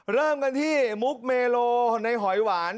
เริ่มกันที่มุกเมโลในหอยหวาน